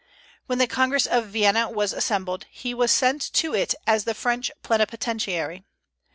When the Congress of Vienna assembled, he was sent to it as the French plenipotentiary.